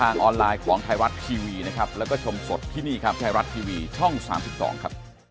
ในรัททีวีช่อง๓๒ครับ